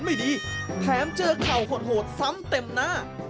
ไม่ดีแถมเจอเข่าโหดซ้ำเต็มหน้า